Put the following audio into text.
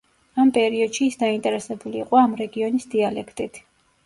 ამ პერიოდში ის დაინტერესებული იყო ამ რეგიონის დიალექტით.